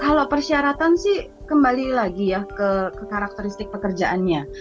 kalau persyaratan sih kembali lagi ya ke karakteristik pekerjaannya